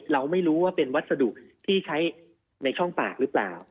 เราไม่รู้ว่าเป็นวัสดุที่ใช้ในช่องปากหรือเปล่า